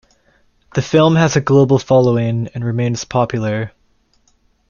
The film has a global following and remains popular.